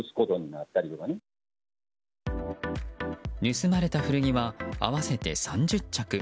盗まれた古着は合わせて３０着。